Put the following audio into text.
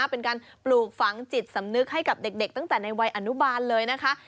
เป็นการปลูกฝังจิตสำนึกให้กับเด็กตั้งแต่ในวัยอนุบาลเลยนะคะ